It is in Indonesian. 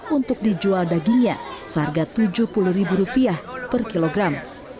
untuk dijual dagingnya seharga rp tujuh puluh per kilogram